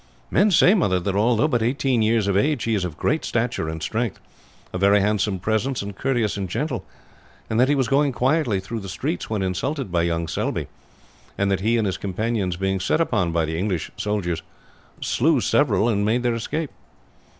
"Men say, mother, that although but eighteen years of age he is of great stature and strength, of very handsome presence, and courteous and gentle; and that he was going quietly through the streets when insulted by young Selbye, and that he and his companions being set upon by the English soldiers, slew several and made their escape."